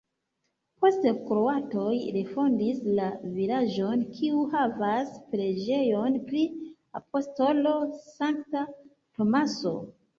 Poste kroatoj refondis la vilaĝon, kiu havas preĝejon pri apostolo Sankta Tomaso.